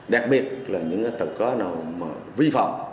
đặc biệt là những tàu có nào vi phạm